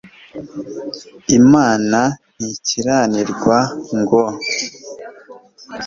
imana ntikiranirwa ngo